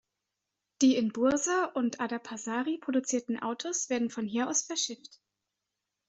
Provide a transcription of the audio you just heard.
Die in Bursa und Adapazarı produzierten Autos werden von hier aus verschifft.